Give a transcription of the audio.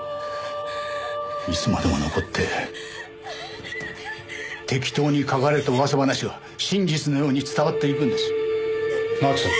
いつまでも残って適当に書かれた噂話が真実のように伝わっていくんです。